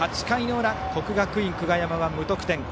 ８回の裏、国学院久我山は無得点。